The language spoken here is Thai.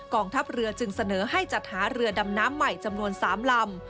ทัพเรือจึงเสนอให้จัดหาเรือดำน้ำใหม่จำนวน๓ลำ